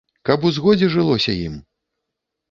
Каб у згодзе жылося ім.